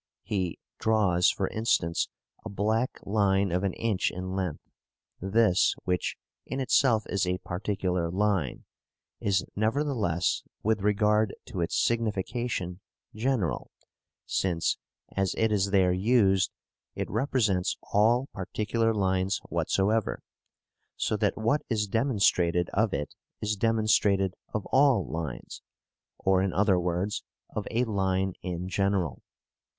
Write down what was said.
He draws, for instance, a black line of an inch in length: this, which in itself is a particular line, is nevertheless with regard to its signification general, since, as it is there used, it represents all particular lines whatsoever; so that what is demonstrated of it is demonstrated of all lines, or, in other words, of a line in general.